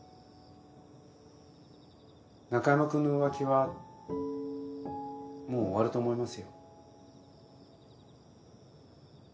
中山くんの浮気はもう終わると思いますよ。